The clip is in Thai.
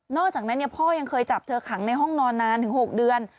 อกจากนั้นพ่อยังเคยจับเธอขังในห้องนอนนานถึง๖เดือน